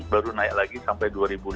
baru naik lagi sampai dua lima ratus